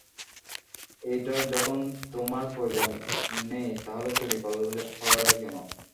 এটার যখন তোমার প্রয়োজনই নেই তাহলে চুরি করালে কেন?